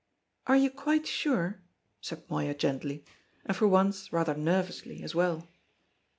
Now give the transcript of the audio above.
"Are you quite sure?" said Moya gently, and for once rather nervously as well.